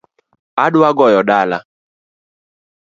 Adwa goyo dala